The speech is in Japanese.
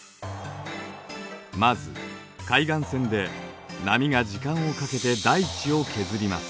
まず海岸線で波が時間をかけて大地を削ります。